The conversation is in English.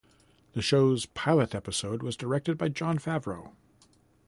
The show's pilot episode was directed by Jon Favreau.